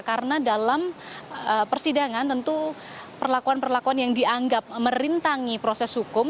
karena dalam persidangan tentu perlakuan perlakuan yang dianggap merintangi proses hukum